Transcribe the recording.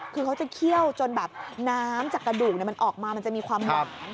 คือเขาจะเคี่ยวจนแบบน้ำจากกระดูกมันออกมามันจะมีความหวาน